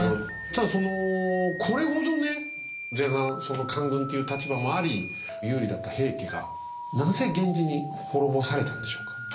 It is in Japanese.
ただそのこれほどね前半その官軍っていう立場もあり有利だった平家がなぜ源氏に滅ぼされたんでしょうか。